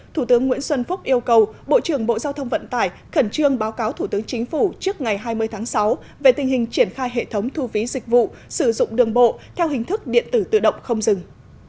thủ tướng nguyễn xuân phúc yêu cầu bộ trưởng bộ giao thông vận tải khẩn trương báo cáo thủ tướng chính phủ trước ngày hai mươi tháng sáu về tình hình triển khai hệ thống thu phí dịch vụ sử dụng đường bộ theo hình thức điện tử tự động không dừng